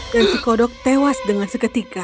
dan si kodok tewas dengan seketika